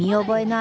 あ。